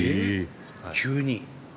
急に。